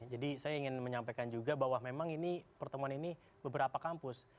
jadi saya ingin menyampaikan juga bahwa memang ini pertemuan ini beberapa kampus